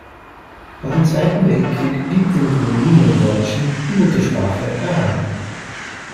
Nach dem Zweiten Weltkrieg blieb den Rumäniendeutschen die Muttersprache erhalten.